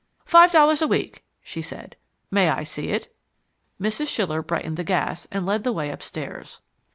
"Five dollars a week," she said. "May I see it?" Mrs. Schiller brightened the gas and led the way upstairs.